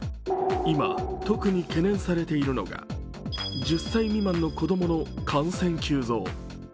今、特に懸念されているのが１０歳未満の子どもの感染急増。